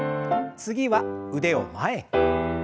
次は腕を前。